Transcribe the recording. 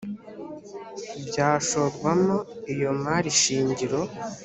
byashorwamo iyo mari shingiro